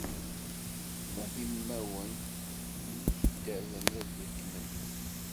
Ma d imawen n ikeddaben ad bekkmen.